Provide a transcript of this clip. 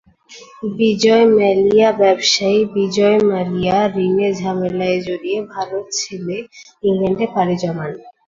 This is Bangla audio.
বিজয় মালিয়াব্যবসায়ী বিজয় মালিয়া ঋণে ঝামেলায় জড়িয়ে ভারত ছেড়ে ইংল্যান্ডে পাড়ি জমান।